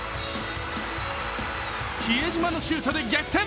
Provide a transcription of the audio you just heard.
比江島のシュートで逆転